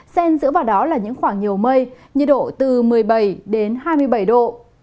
xen dựa vào đó là những khoảng nhiều mây nhiệt độ từ một mươi bảy đến hai mươi bảy độ